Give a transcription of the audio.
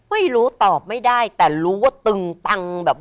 ไม่รู้ตอบไม่ได้แต่รู้ว่าตึงตังแบบ